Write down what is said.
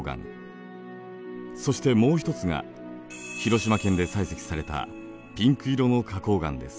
そしてもう一つが広島県で採石されたピンク色の花こう岩です。